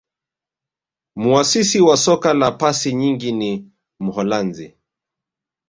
muasisi wa soka la pasi nyingi ni muholanzi